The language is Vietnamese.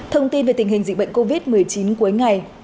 thông tin về tình hình dịch bệnh covid một mươi chín cuối ngày